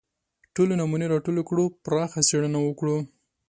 ټولې نمونې راټولې کړو پراخه څېړنه وکړو